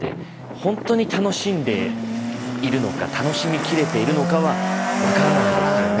ほんとに楽しんでいるのか楽しみきれているのかは分からないですよね。